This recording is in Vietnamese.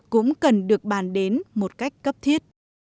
cũng cần được bàn đến một cách cấp thiết